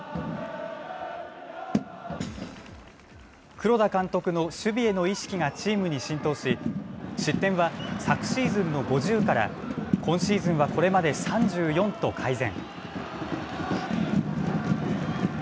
黒田監督の守備への意識がチームに浸透し、失点は昨シーズンの５０から今シーズンはこれまで３４と改善。